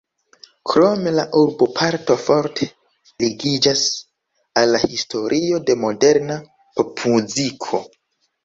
Krome la urboparto forte ligiĝas al la historio de moderna popmuziko.